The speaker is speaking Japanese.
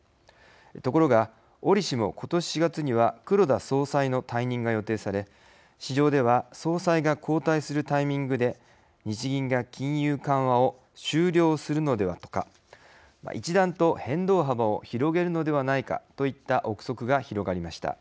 ところが、おりしも今年４月には黒田総裁の退任が予定され市場では、総裁が交代するタイミングで、日銀が金融緩和を終了するのではとか一段と変動幅を広げるのではないかといった臆測が広がりました。